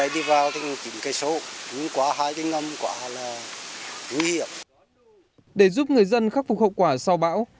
để giúp người dân khắc phục hậu quả sau bão